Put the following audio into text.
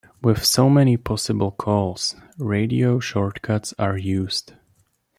With so many possible calls, radio shortcuts are used.